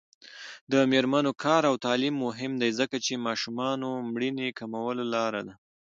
د میرمنو کار او تعلیم مهم دی ځکه چې ماشومانو مړینې کمولو لاره ده.